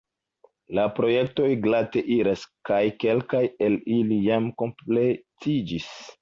La projektoj glate iras kaj kelkaj el ili jam kompletiĝis.